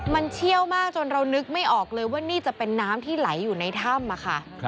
มันเชี่ยวมากจนเรานึกไม่ออกเลยว่านี่จะเป็นน้ำที่ไหลอยู่ในถ้ำค่ะ